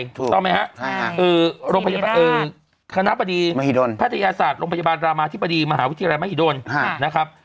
ถูกต้องไหมครับคณะบดีมหิดลแพทยศาสตร์โรงพยาบาลรามาธิบดีมหาวิทยาลัยมหิดลนะครับ